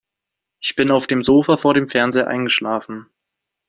Ich bin auf dem Sofa vor dem Fernseher eingeschlafen.